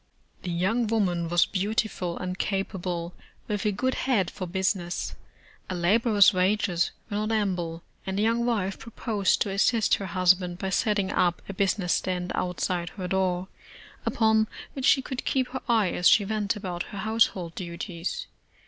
The young woman was beautiful and capable, with a good head for business. A laborer's wages were not ample, and the young wife proposed to assist her hus 53 The Original John Jacob Astor band by setting up a business stand outside her door, upon which she could keep her eye as she went about her household duties.